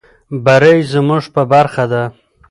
بري زموږ په برخه ده.